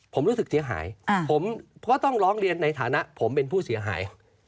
ผมรู้สึกเสียหายผมก็ต้องร้องเรียนในฐานะผมเป็นผู้เสียหาย